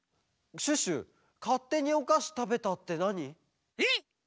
シュッシュかってにおかしたべたってなに？